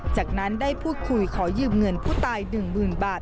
จากนั้นได้พูดคุยขอยืมเงินผู้ตาย๑๐๐๐บาท